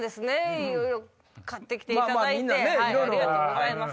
いろいろ買って来ていただいてありがとうございます。